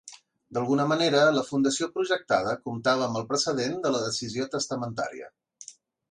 D'alguna manera, la fundació projectada comptava amb el precedent de la decisió testamentària.